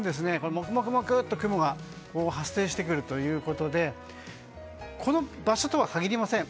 もくもくと雲が発生してくるということでこの場所とは限りません。